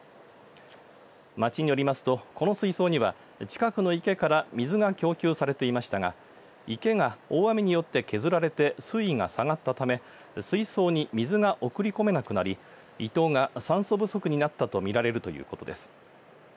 町によりますとこの水槽には近くの池から水が供給されていましたが池が大雨によって削られて水位が下がったため水槽に水が送り込めなくなりイトウが酸素不足になったと見られるということです。